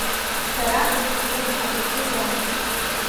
Сара исҭахым аҭаҭын уахар.